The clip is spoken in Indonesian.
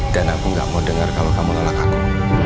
dan aku gak mau denger kalau kamu nolak aku